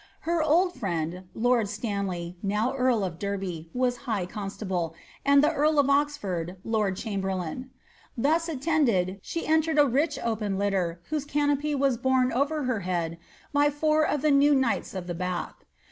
Her old friend, lord Stanley (now earl of Derby), was high constable, and the eari of Oxford, lord chamberlain Thus attended, she entered a rich open litter, whose canopy was borne over her head by four of the new knights of the Bath.